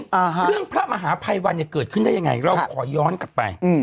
เรื่องพระมหาภัยวันจะเกิดขึ้นได้ยังไงเราขอย้อนกลับไป